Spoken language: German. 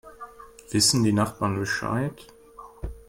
Wissen die Nachbarn Bescheid?